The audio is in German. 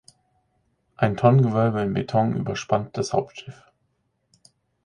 Ein Tonnengewölbe in Beton überspannt das Hauptschiff.